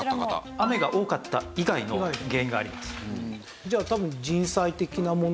雨が多かった以外の原因があります。